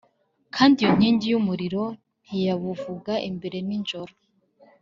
kandi iyo nkingi y’umuriro ntiyabuvaga imbere nijoro.”